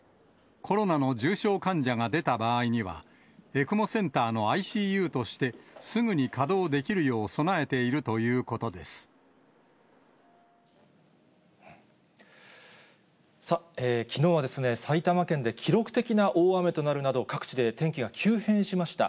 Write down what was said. コロナの重症患者が出た場合には、ＥＣＭＯセンターのＩＣＵとして、すぐに稼働できるよう、備えていさあ、きのうは埼玉県で記録的な大雨となるなど、各地で天気が急変しました。